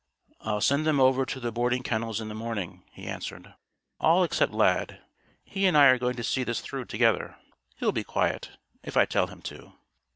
"I'll send them over to the boarding kennels in the morning," he answered. "All except Lad. He and I are going to see this through, together. He'll be quiet, if I tell him to."